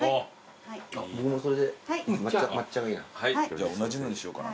じゃあ同じのにしようかな。